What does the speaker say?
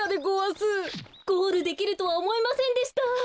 ゴールできるとはおもいませんでした。